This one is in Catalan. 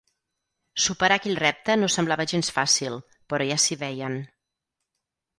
Superar aquell repte no semblava gens fàcil, però ja s'hi veien.